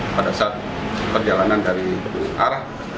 pada saat perjalanan dari arah